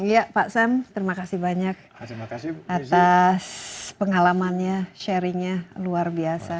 iya pak sam terima kasih banyak atas pengalamannya sharingnya luar biasa